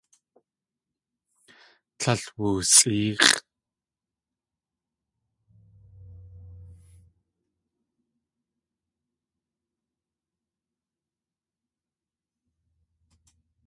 Tlél wusʼéex̲ʼ.